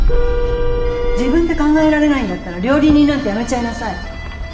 自分で考えられないんだったら料理人なんて辞めちゃいなさい。